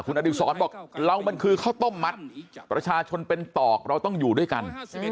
อดิษรบอกเรามันคือข้าวต้มมัดประชาชนเป็นตอกเราต้องอยู่ด้วยกัน